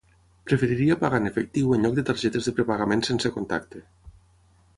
Preferiria pagar en efectiu en lloc de targetes de prepagament sense contacte.